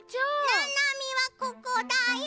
ななみはここだよ。